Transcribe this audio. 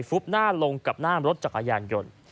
ฟุบหน้าลงกับหน้ารถจักรยานยนต์